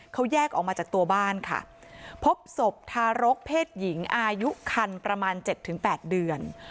เขาแยกออกมาจากตัวบ้านค่ะพบศพทารกเพศหญิงอายุคันประมาณเจ็ดถึงแปดเดือน